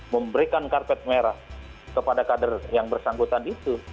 memberikan karpet merah kepada kader yang bersangkutan di situ